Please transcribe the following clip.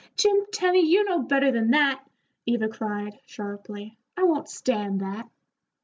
"Jim Tenny, you know better than that," Eva cried, sharply. "I won't stand that."